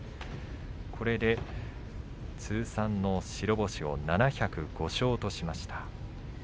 これで通算の白星を７０５勝としました。